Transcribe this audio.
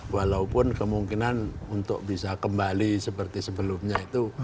walaupun kemungkinan untuk bisa kembali seperti sebelumnya itu